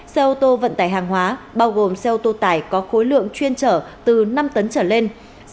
xe ô tô vận tải hàng hóa bao gồm xe ô tô tải có khối lượng chuyên trở từ năm tấn trở lên